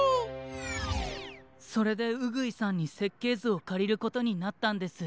それでうぐいさんにせっけいずをかりることになったんです。